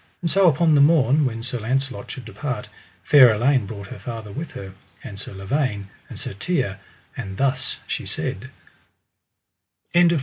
And so upon the morn when Sir Launcelot should depart, fair Elaine brought her father with her, and Sir Lavaine, and Sir Tirre, and thus she said: CHAPTER XIX.